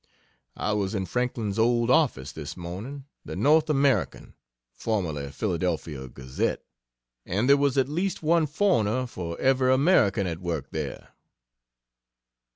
I was in Franklin's old office this morning the "North American" (formerly "Philadelphia Gazette") and there was at least one foreigner for every American at work there.